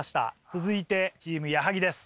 続いてチーム矢作です。